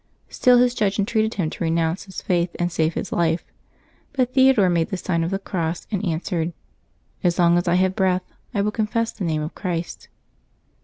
Still his judge entreated him to renounce his faith and save his life; but Theodore made the sign of the cross, and answered :" As long as I have breath, I will confess the name of Christ."